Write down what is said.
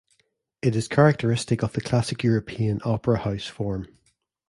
It is characteristic of the classic European opera house form.